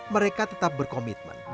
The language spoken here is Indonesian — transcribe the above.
mereka tetap berkomitmen